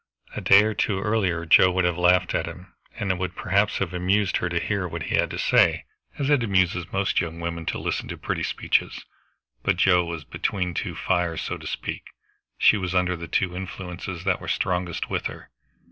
A day or two earlier Joe would have laughed at him, and it would perhaps have amused her to hear what he had to say, as it amuses most young women to listen to pretty speeches. But Joe was between two fires, so to speak; she was under the two influences that were strongest with her.